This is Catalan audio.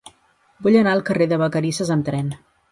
Vull anar al carrer de Vacarisses amb tren.